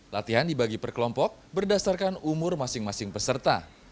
latihan dibagi perkelompok berdasarkan umur masing masing peserta